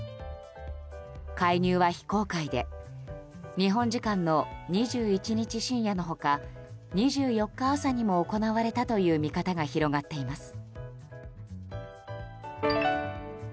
介入は非公開で日本時間の２１日深夜の他２４日朝にも行われたという見方が広がっています。